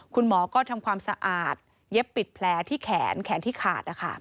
คุณหมอก็ทำความสะอาดเย็บปิดแผลที่แขนแขนที่ขาด